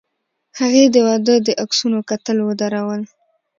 هغې د واده د عکسونو کتل ودرول.